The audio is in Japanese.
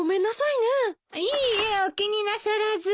いいえお気になさらず。